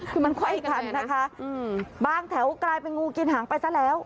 คือมันค่อยกันนะคะบางแถวกลายเป็นงูกินหางไปซะแล้ว